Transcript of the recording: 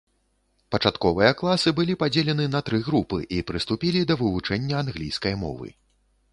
Пачатковыя класы былі падзелены на тры групы і прыступілі да вывучэння англійскай мовы.